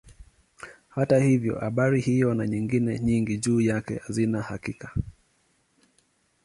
Hata hivyo habari hiyo na nyingine nyingi juu yake hazina hakika.